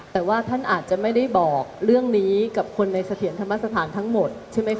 แต่ว่าท่านอาจจะไม่ได้บอกเรื่องนี้กับคนในเสถียรธรรมสถานทั้งหมดใช่ไหมคะ